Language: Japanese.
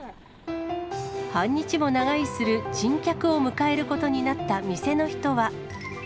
半日も長居する珍客を迎えることになった店の人は。